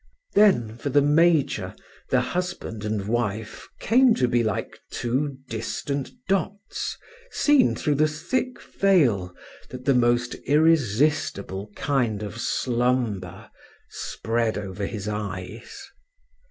Then for the major the husband and wife came to be like two distant dots seen through the thick veil that the most irresistible kind of slumber spread over his eyes.